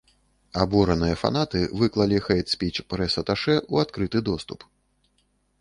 Абураныя фанаты выклалі хэйт-спіч прэс-аташэ ў адкрыты доступ.